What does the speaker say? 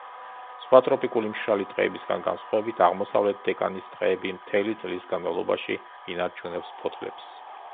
სხვა ტროპიკული მშრალი ტყეებისაგან განსხვავებით, აღმოსავლეთ დეკანის ტყეები მთელი წლის განმავლობაში ინარჩუნებს ფოთლებს.